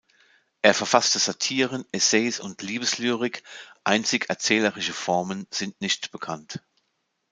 Er verfasste Satiren, Essays und Liebeslyrik, einzig erzählerische Formen sind nicht bekannt.